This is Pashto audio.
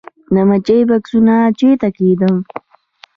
د مچیو بکسونه چیرته کیږدم؟